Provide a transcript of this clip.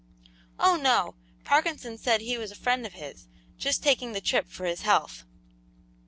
"Oh, no; Parkinson said he was a friend of his, just taking the trip for his health."